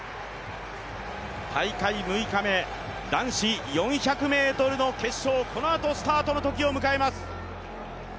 大会６日目男子４００ｍの決勝、このあとスタートの時を迎えます。